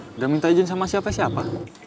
enggak minta ijin sama siapa siapa